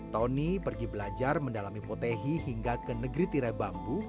tony pergi belajar mendalami potehi hingga ke negeri tirebambu